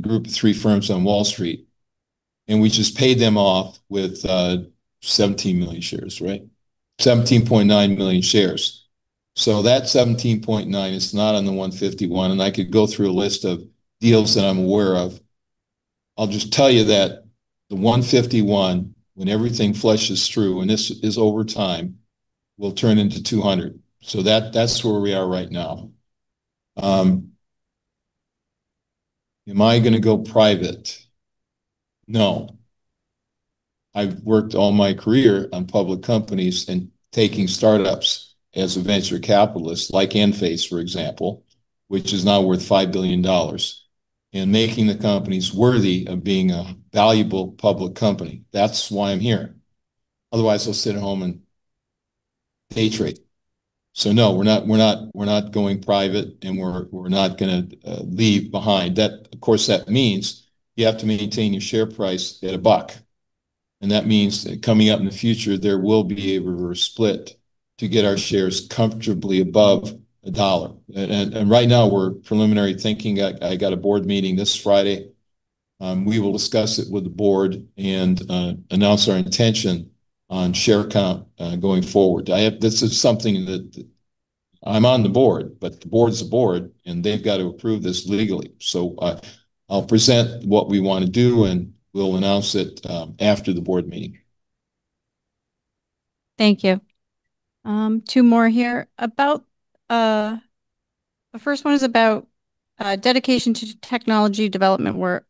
group of three firms on Wall Street, We just paid them off with 17 million shares, right? 17.9 million shares. That 17.9 is not on the 151, I could go through a list of deals that I'm aware of. I'll just tell you that the 151, when everything fleshes through, and this is over time, will turn into 200. That's where we are right now. Am I going to go private? No. I've worked all my career on public companies and taking startups as a venture capitalist, like Enphase, for example, which is now worth $5 billion, making the companies worthy of being a valuable public company. That's why I'm here. Otherwise, I'll sit at home and day trade. No, we're not going private, we're not going to leave behind. Of course, that means you have to maintain your share price at a buck, that means that coming up in the future, there will be a reverse split to get our shares comfortably above a dollar. Right now we're preliminary thinking. I got a board meeting this Friday. We will discuss it with the board and announce our intention on share count, going forward. This is something that I'm on the board, the board's the board, they've got to approve this legally. I'll present what we want to do, we'll announce it after the board meeting. Thank you. Two more here. The first one is about dedication to technology development work.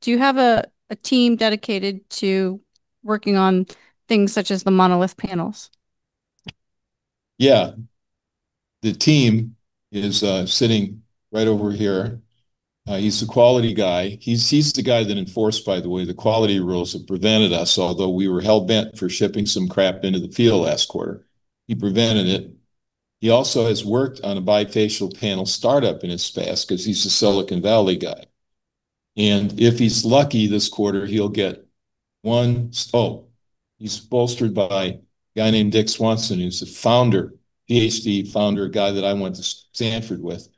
Do you have a team dedicated to working on things such as the Monolith panels? Yeah. The team is sitting right over here. He's the quality guy. He's the guy that enforced, by the way, the quality rules that prevented us, although we were hell-bent for shipping some crap into the field last quarter. He prevented it. He also has worked on a bifacial panel startup in his past because he's a Silicon Valley guy. If he's lucky this quarter, he'll get one spoke. He's bolstered by a guy named Dick Swanson, who's the founder, PhD founder, a guy that I went to Stanford with.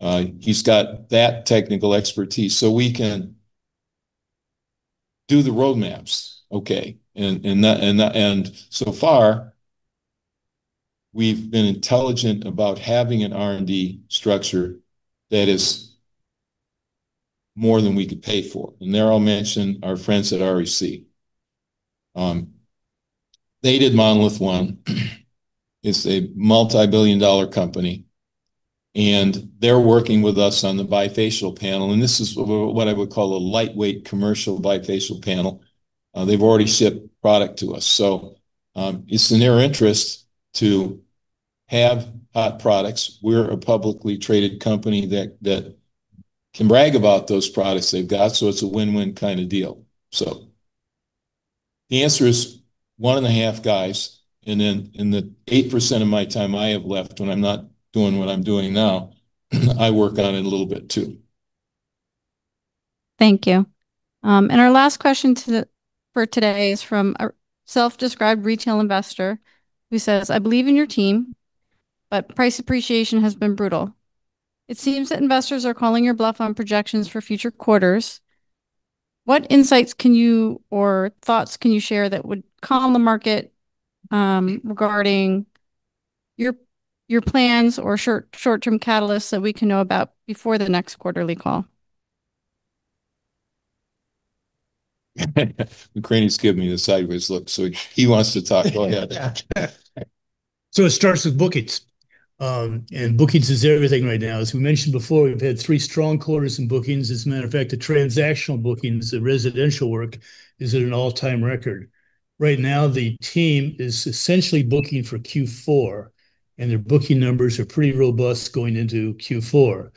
He's got that technical expertise so we can do the roadmaps, okay? So far, we've been intelligent about having an R&D structure that is more than we could pay for. There I'll mention our friends at REC. They did Monolith one. It's a multibillion-dollar company, and they're working with us on the bifacial panel. This is what I would call a lightweight commercial bifacial panel. They've already shipped product to us. It's in their interest to have hot products. We're a publicly traded company that can brag about those products they've got. It's a win-win kind of deal. The answer is one and a half guys, and then in the 8% of my time I have left when I'm not doing what I'm doing now, I work on it a little bit too. Thank you. Our last question for today is from a self-described retail investor who says, "I believe in your team, but price appreciation has been brutal. It seems that investors are calling your bluff on projections for future quarters. What insights or thoughts can you share that would calm the market regarding your plans or short-term catalysts that we can know about before the next quarterly call? McCranie's giving me the sideways look. He wants to talk. Go ahead. It starts with bookings. Bookings is everything right now. As we mentioned before, we've had three strong quarters in bookings. As a matter of fact, the transactional bookings, the residential work, is at an all-time record. Right now, the team is essentially booking for Q4. Their booking numbers are pretty robust going into Q4.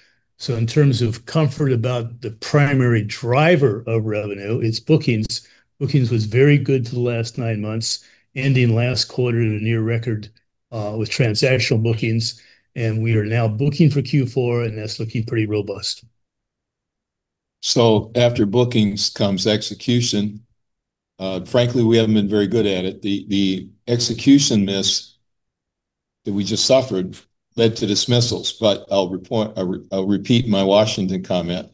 In terms of comfort about the primary driver of revenue, it's bookings. Bookings was very good for the last nine months, ending last quarter at a near record with transactional bookings. We are now booking for Q4, and that's looking pretty robust. After bookings comes execution. Frankly, we haven't been very good at it. The execution miss that we just suffered led to dismissals. I'll repeat my Washington comment.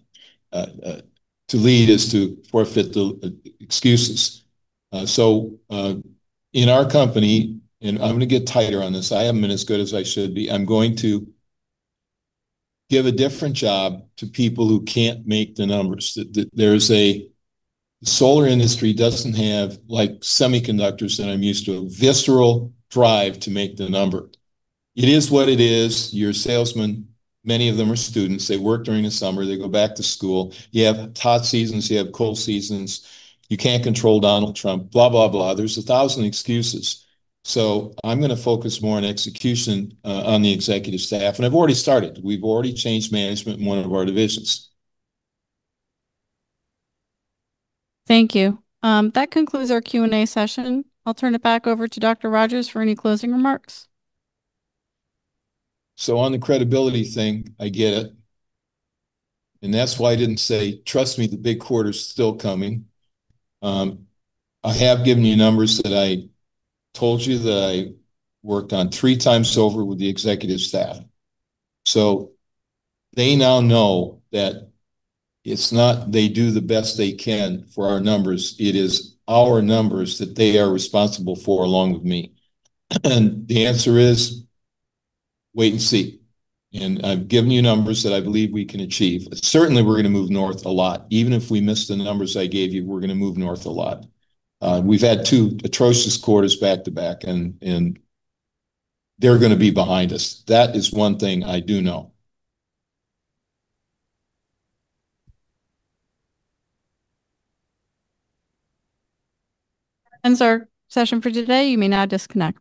To lead is to forfeit the excuses. In our company, and I'm going to get tighter on this, I haven't been as good as I should be. I'm going to give a different job to people who can't make the numbers. The solar industry doesn't have, like semiconductors that I'm used to, a visceral drive to make the number. It is what it is. Your salesmen, many of them are students. They work during the summer. They go back to school. You have hot seasons, you have cold seasons. You can't control Donald Trump, blah, blah. There's 1,000 excuses. I'm going to focus more on execution on the executive staff, and I've already started. We've already changed management in one of our divisions. Thank you. That concludes our Q&A session. I'll turn it back over to Dr. Rodgers for any closing remarks. On the credibility thing, I get it, and that's why I didn't say, "Trust me, the big quarter's still coming." I have given you numbers that I told you that I worked on three times over with the executive staff. They now know that it's not they do the best they can for our numbers. It is our numbers that they are responsible for along with me. The answer is wait and see, and I've given you numbers that I believe we can achieve. Certainly, we're going to move north a lot. Even if we miss the numbers I gave you, we're going to move north a lot. We've had two atrocious quarters back to back, and they're going to be behind us. That is one thing I do know. Ends our session for today. You may now disconnect.